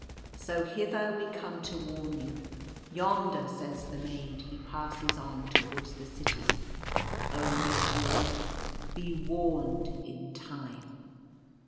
So hither we come to warn you. Yonder, says the maid, he passes on ward to the city. Oh, be warned! be warned in time."